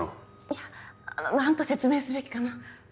いやあの何と説明すべきか。